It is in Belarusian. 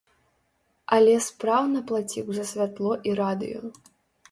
Але спраўна плаціў за святло і радыё.